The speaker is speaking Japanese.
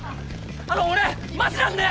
あの俺マジなんで！